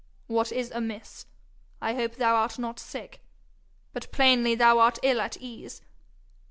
What is amiss? I hope thou art not sick but plainly thou art ill at ease!